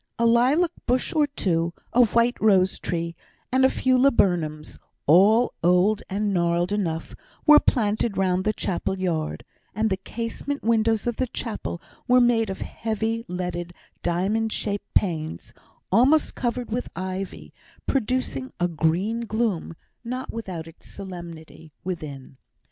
A lilac bush or two, a white rose tree, and a few laburnums, all old and gnarled enough, were planted round the chapel yard; and the casement windows of the chapel were made of heavy leaded, diamond shaped panes, almost covered with ivy, producing a green gloom, not without its solemnity, within.